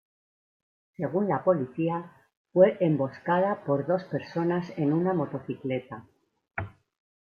Según la policía, fue emboscada por dos personas en una motocicleta.